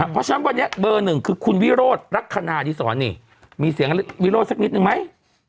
เพราะฉะนั้นวันนี้เบอร์หนึ่งคือคุณวิโรธลักษณะอดีศรนี่มีเสียงวิโรธสักนิดนึงไหม